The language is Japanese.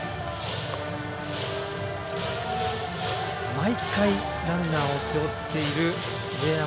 毎回ランナーを背負っている上山。